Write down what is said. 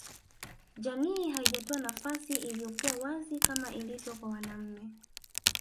Jamii haijatoa nafasi iliyokuwa wazi kama ilivyo kwa wanaume